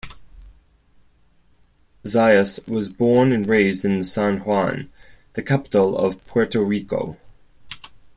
Zayas was born and raised in San Juan, the capital of Puerto Rico.